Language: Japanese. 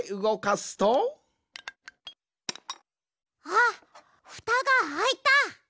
あっふたがあいた。